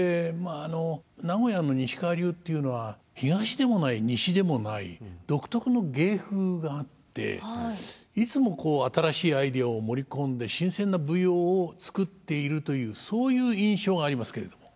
あの名古屋の西川流というのは東でもない西でもない独特の芸風があっていつも新しいアイデアを盛り込んで新鮮な舞踊を作っているというそういう印象がありますけれども。